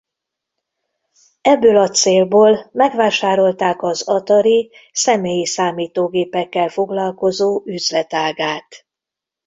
Ebből a célból megvásárolták az Atari személyi számítógépekkel foglalkozó üzletágát.